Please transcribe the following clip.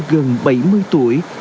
gần bảy mươi tuổi